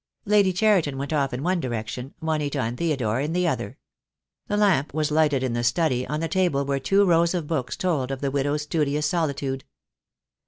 Lady Cheriton went off in one direction, Juanita and Theodore in the other. The lamp was lighted in the study, on the table where two rows of books told of the widow's studious solitude.